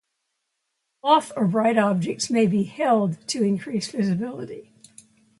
Cloth or bright objects may be held to increase visibility.